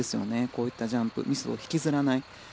こういったジャンプミスを引きずらない。